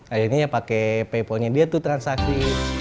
akhirnya ya pake paypalnya dia tuh transaksi